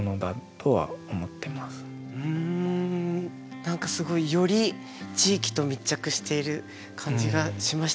何かすごいより地域と密着してる感じがしましたね